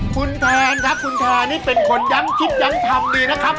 คุณแทนครับคุณทานี่เป็นคนยั้มคิดยั้มทำดีนะครับผม